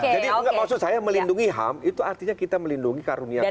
jadi maksud saya melindungi ham itu artinya kita melindungi karunia tuhan